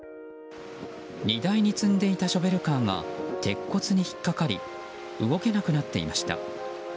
荷台に積んでいたショベルカーが鉄骨に引っかかり動けなくなっていました。